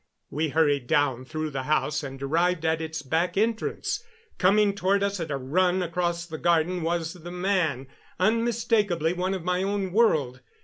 We hurried down through the house and arrived at its back entrance. Coming toward us at a run across the garden was the man unmistakably one of my own world.